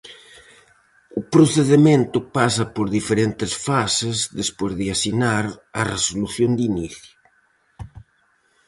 O procedemento pasa por diferentes fases despois de asinar a resolución de inicio.